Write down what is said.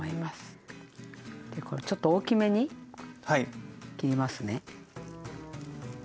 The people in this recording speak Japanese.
これちょっと大きめに切りますね。